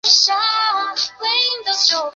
弗朗努瓦。